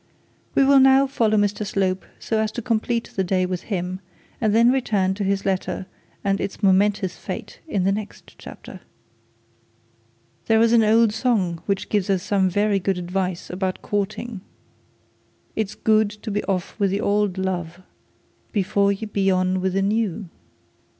We will now follow Mr Slope so as to complete the day with him, and then return to his letter and its momentous fate in the next chapter. There is an old song which gives us some very good advice about courting: "It's gude to be off with the auld luve Before ye be on wi' the new."